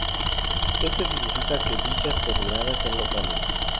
Esto significa que dichas coordenadas son locales.